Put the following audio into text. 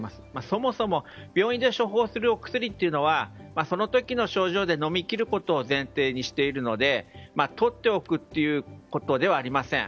そもそも病院で処方するお薬というのはその時の症状で飲みきることを前提にしているのでとっておくということではありません。